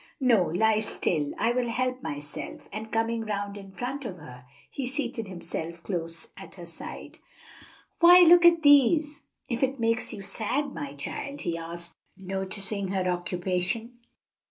"No; lie still. I will help myself." And coming round in front of her, he seated himself close at her side. "Why look at these, if it makes you sad, my child?" he asked, noticing her occupation.